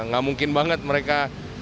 nggak mungkin banget mereka